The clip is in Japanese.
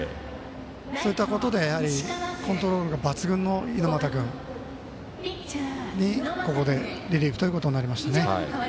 そういったことでコントロールが抜群の猪俣君にここでリリーフということになりました。